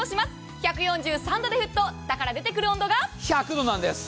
１４３度で沸騰、だから出てくる温度が１００度なんです。